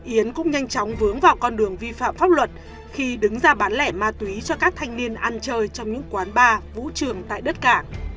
yến cũng nhanh chóng vướng vào con đường vi phạm pháp luật khi đứng ra bán lẻ ma túy cho các thanh niên ăn chơi trong những quán bar vũ trường tại đất cả